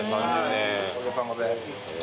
おかげさまで。